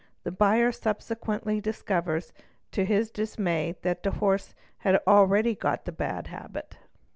The buyer subsequently discovers to his dis ) may that the horse has already got the bad habit.